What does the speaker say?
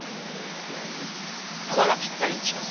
幅がぴったり一致します。